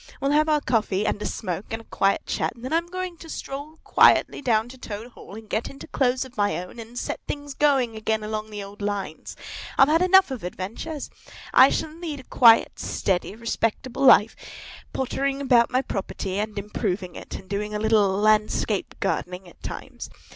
We'll have our coffee, and a smoke, and a quiet chat, and then I'm going to stroll quietly down to Toad Hall, and get into clothes of my own, and set things going again on the old lines. I've had enough of adventures. I shall lead a quiet, steady, respectable life, pottering about my property, and improving it, and doing a little landscape gardening at times.